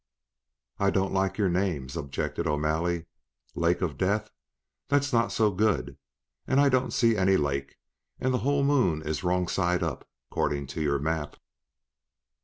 "I don't like your names," objected O'Malley. "Lake of Death! That's not so good. And I don't see any lake, and the whole Moon is wrong side up, according to your map."